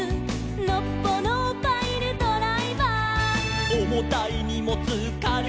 「のっぽのパイルドライバー」「おもたいにもつかるがるあげる」